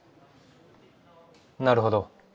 なるほど。